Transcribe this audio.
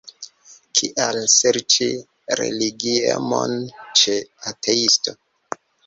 Kial serĉi religiemon ĉe ateisto?